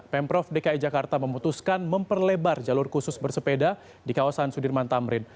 pemprov dki jakarta memutuskan memperlebar jalur khusus bersepeda di kawasan sudirman tamrin